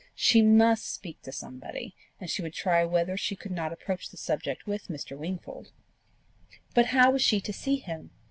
She MUST speak to somebody, and she would try whether she could not approach the subject with Mr. Wingfold. But how was she to see him?